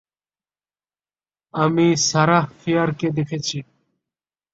আমি সারাহ ফিয়ারকে দেখেছি।